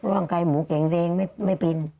ร่างกายหมูเก่งเร็งไม่เป็น